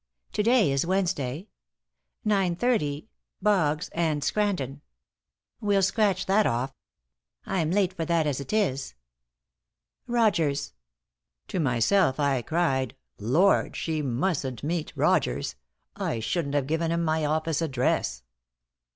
To day is Wednesday. Nine thirty Boggs and Scranton. We'll scratch that off. I'm late for that, as it is. Rogers!" To myself, I cried: "Lord, she mustn't meet Rogers! I shouldn't have given him my office address."